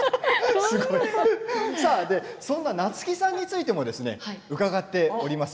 そんな夏木さんについても伺っています。